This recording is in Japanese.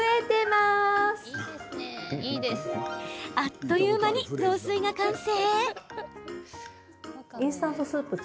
あっという間に、雑炊が完成。